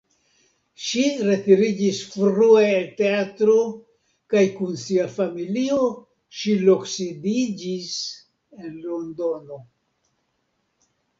Ŝi retiriĝis frue el teatro kaj kun sia familio ŝi loksidiĝis en Londono.